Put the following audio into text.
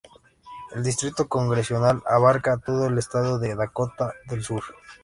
El distrito congresional abarca a todo el estado de Dakota del Sur.